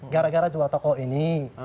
gara gara dua tokoh ini